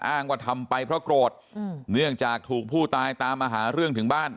ว่าทำไปเพราะโกรธเนื่องจากถูกผู้ตายตามมาหาเรื่องถึงบ้าน